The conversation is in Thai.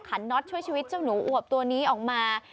น็อตช่วยชีวิตเจ้าหนูอวบตัวนี้ออกมา